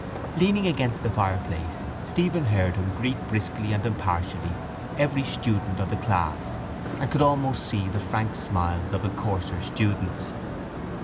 Leaning against the fireplace Stephen heard him greet briskly and impartially every student of the class and could almost see the frank smiles of the coarser students.